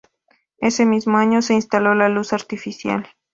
Ese mismo año, se instaló la luz artificial.